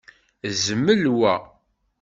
Zmel wa.